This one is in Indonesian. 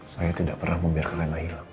saya tidak pernah membiarkan anak hilang